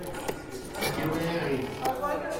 ad yawi iɣil